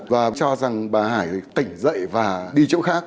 và cho rằng bà hải tỉnh dậy và đi chỗ khác